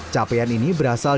capaian ini berasal